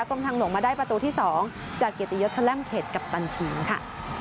กรมทางหลวงมาได้ประตูที่๒จากเกียรติยศแลมเขตกัปตันทีมค่ะ